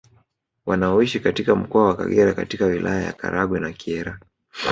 Wanaoishi katika mkoa wa Kagera katika wilaya ya Karagwe na Kyerwa